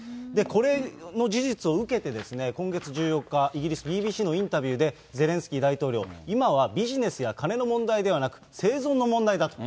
これの事実を受けて、今月１４日、イギリスＢＢＣのインタビューで、ゼレンスキー大統領、今はビジネスや金の問題ではなく、生存の問題だと。